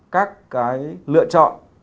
các cái lựa chọn